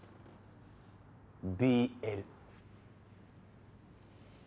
ＢＬ。